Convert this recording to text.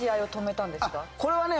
これはね